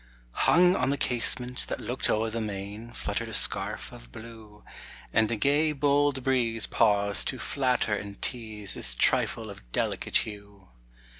Hung on the casement that looked o'er the main, Fluttered a scarf of blue; And a gay, bold breeze paused to flatter and tease This trifle of delicate hue.